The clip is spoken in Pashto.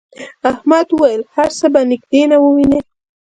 احمد وویل هر څه به نږدې ووینې.